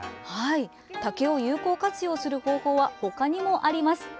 竹を有効活用する方法は他にもあります。